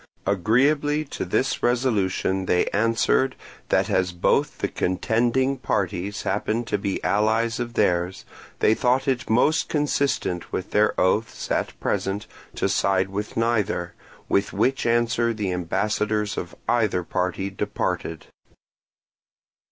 Agreeably to this resolution they answered that as both the contending parties happened to be allies of theirs, they thought it most consistent with their oaths at present to side with neither; with which answer the ambassadors of either party departed.